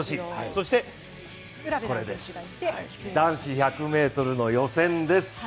そして男子１００ｍの予選です。